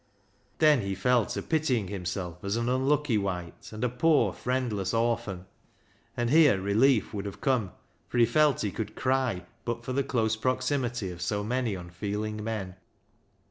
Then he fell to pitying himself as an unlucky wight, and a poor friendless orphan, and here relief would have come, for he felt he could cry but for the close proximity of so many unfeeling men.